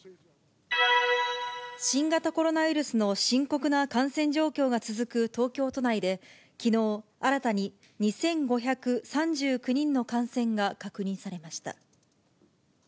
新型コロナウイルスの深刻な感染状況が続く東京都内で、きのう、新たに２５３９人の感染が確認されました。